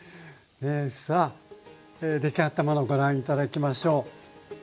さあ出来上がったものをご覧頂きましょう。